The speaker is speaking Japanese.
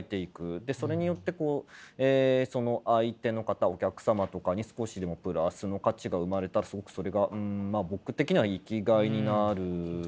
でそれによってこう相手の方お客様とかに少しでもプラスの価値が生まれたらすごくそれがうんまあ僕的には生きがいになるので。